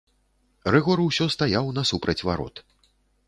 Рыгор усё стаяў насупраць варот.